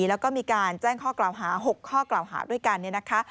แล้วก็มีการแจ้งข้อกล่าวหา๖ข้อกล่าวหาด้วยกันเนี่ยนะคะ